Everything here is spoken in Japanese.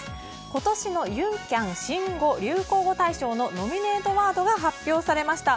今年のユーキャン新語・流行語大賞のノミネートワードが発表されました。